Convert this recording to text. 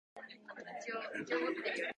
睡眠は大事